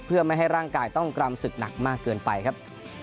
เพื่อไม่ให้ร่างกายต้องกรำศึกหนักมากเกินไปครับ